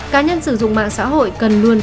cá nhân sử dụng mạng xã hội cần luôn